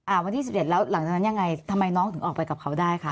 วันที่๑๗แล้วหลังจากนั้นยังไงทำไมน้องถึงออกไปกับเขาได้คะ